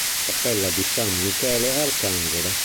Cappella di San Michele Arcangelo